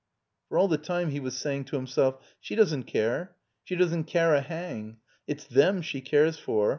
For all the time he was sajring to himself, "She doesn't care. She doesn't care a hang. It's them she cares for.